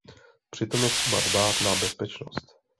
Přitom je třeba dbát na bezpečnost.